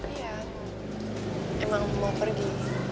iya emang mau pergi